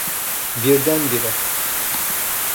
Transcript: Birdenbire.